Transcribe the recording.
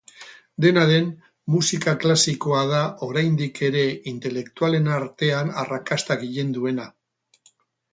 Dena den, musika klasikoa da oraindik ere intelektualen artean arrakasta gehien duena.